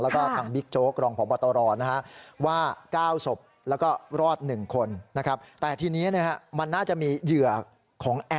แล้วก็ทางบิ๊กโจ๊กรองพรพตรนะฮะ